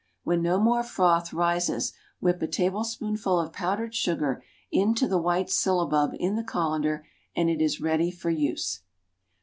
When no more froth rises, whip a tablespoonful of powdered sugar into the white syllabub in the colander, and it is ready for use.